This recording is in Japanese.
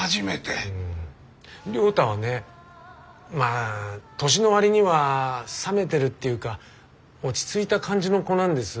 亮太はねまあ年の割には冷めてるっていうか落ち着いた感じの子なんです。